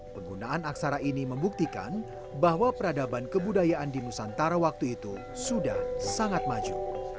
penggunaan aksara ini membuktikan bahwa peradaban kebudayaan di nusantara waktu itu sudah sangat maju